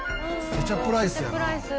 ケチャップライス